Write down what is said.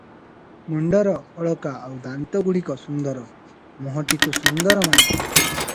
ମୁଣ୍ଡର ଅଳକା ଆଉ ଦାନ୍ତଗୁଡିକ ସୁନ୍ଦର, ମୁହଁଟିକୁ ସୁନ୍ଦର ମାନେ ।